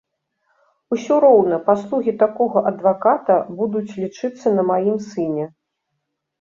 Усё роўна паслугі такога адваката будуць лічыцца на маім сыне.